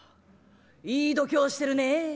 いい度胸してるねえ。